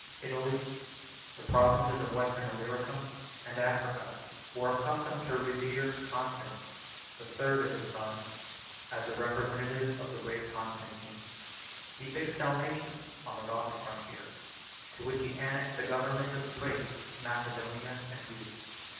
Italy, the Western Illyricum, and Africa, were accustomed to revere Constans, the third of his sons, as the representative of the great Constantine. He fixed Dalmatius on the Gothic frontier, to which he annexed the government of Thrace, Macedonia, and Greece.